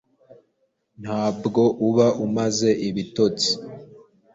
ntabwo uba umaze ibitotsi